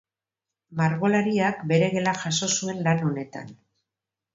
Margolariak bere gela jaso zuen lan honetan.